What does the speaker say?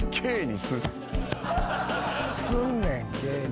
すんねんＫに。